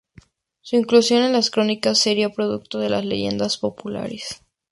Su inclusión en las Crónicas sería producto de las leyendas populares.